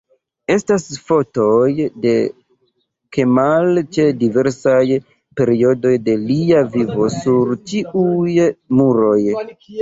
Estas fotoj de Kemal ĉe diversaj periodoj de lia vivo sur ĉiuj muroj.